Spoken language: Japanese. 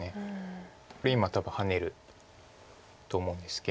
これ今多分ハネると思うんですけど。